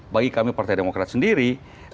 bagi kami partai demokrat sendiri